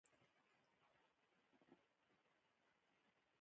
افغانستان د پابندي غرونو له پلوه ځانته ځانګړتیاوې لري.